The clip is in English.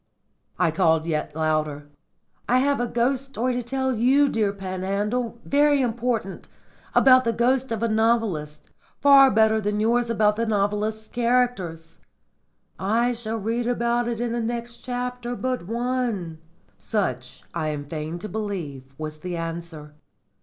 I called yet louder, "I have a ghost story to tell you, dear Panhandle. Very important. About the ghost of a novelist. Far better than yours about the novelist's characters!" "I shall read about that in the next chapter but one." Such, I am fain to believe, was the answer.